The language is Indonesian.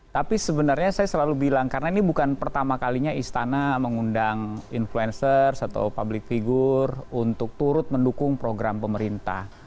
tapi sebenarnya saya selalu bilang karena ini bukan pertama kalinya istana mengundang influencers atau public figure untuk turut mendukung program pemerintah